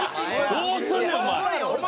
どうすんねんお前！